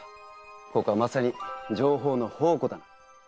ここはまさに情報の宝庫だ。